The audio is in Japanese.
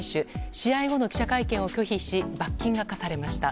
試合後の記者会見を拒否し罰金が科されました。